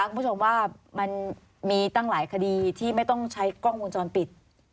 คุณผู้ชมว่ามันมีตั้งหลายคดีที่ไม่ต้องใช้กล้องวงจรปิด